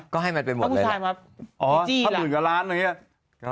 ก็ให้มาเป็นหมดเลยครับ